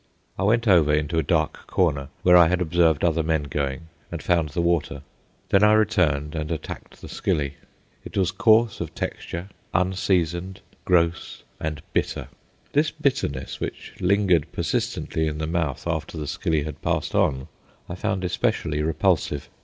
I went over into a dark corner where I had observed other men going and found the water. Then I returned and attacked the skilly. It was coarse of texture, unseasoned, gross, and bitter. This bitterness which lingered persistently in the mouth after the skilly had passed on, I found especially repulsive.